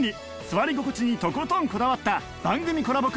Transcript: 座り心地にとことんこだわった番組コラボ